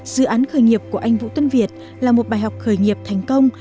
dự án khởi nghiệp của anh vũ tuân việt là một bài học khởi nghiệp thành công